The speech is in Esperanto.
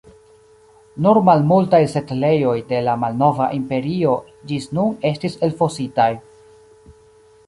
Nur malmultaj setlejoj de la Malnova Imperio ĝis nun estis elfositaj.